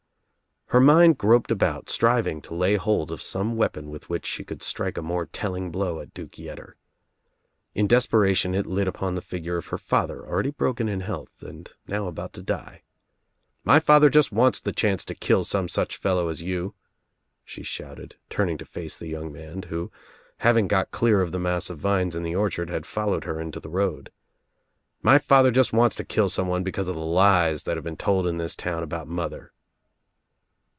Her mind groped about striving to lay hold of some weapon with which she could strike a more telling blow at Duke Yctter. In desperation it lit upon the figure of her father already broken In health and now about to die. "My father just wants the chance to kill some such fellow as you," she shouted, turning to face the young man, who having got dear of the mass of vines in the orchard, had followed her Into the road. "My father just wants to kill someone because of the Ues that have been told In this town about mother."